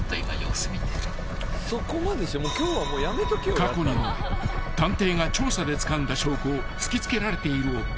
［過去にも探偵が調査でつかんだ証拠を突き付けられている夫］